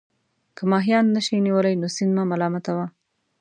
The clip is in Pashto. که ماهیان نه شئ نیولای نو سیند مه ملامتوه.